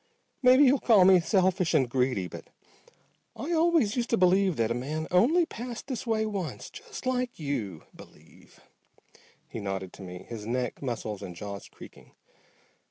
Maybe you'll call me selfish and greedy, but I always used to believe that a man only passed this way once. Just like you believe," he nodded to me, his neck muscles and jaws creaking.